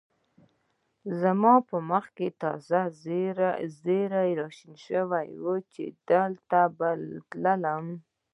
زما په مخ تازه ږېره را شنه شوې وه چې دلته به راتلم.